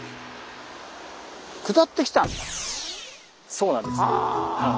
そうなんです。はあ。